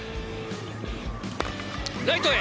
ライトへ。